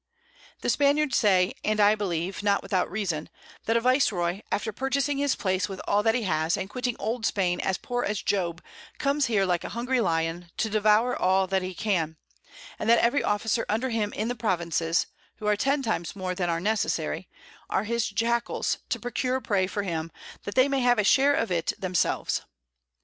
The Spaniards say, and I believe, not without Reason, That a Vice roy, after purchasing his Place with all that he has, and quitting Old Spain as poor as Job, comes here like a hungry Lion, to devour all that he can; and that every Officer under him in the Provinces (who are ten times more than are necessary) are his Jackals to procure Prey for him, that they may have a Share of it themselves.